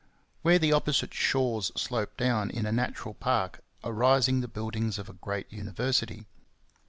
Where the opposite shores slope down in a natural park are rising the buildings of a great university.